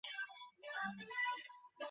শেষে পরমহংস মশাইকে ডাকা হল।